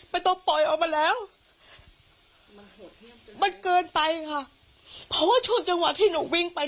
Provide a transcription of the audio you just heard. มันต้องปล่อยออกมาแล้วมันเกินไปค่ะเพราะว่าช่วงจังหวัดที่หนูวิ่งไปนะ